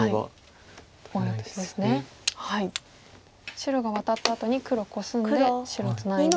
白がワタったあとに黒コスんで白ツナいで。